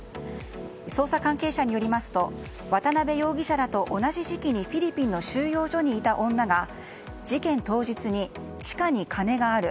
捜査関係者によりますと渡辺容疑者らと同じ時期にフィリピンの収容所にいた女が事件当日に地下に金がある。